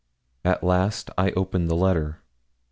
At last I opened the letter.